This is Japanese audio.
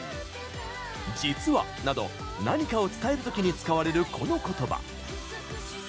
「実は」など、何かを伝えるときに使われる、このことば。